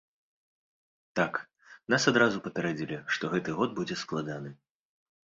Так, нас адразу папярэдзілі, што гэты год будзе складаны.